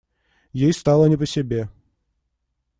Ей стало не по себе.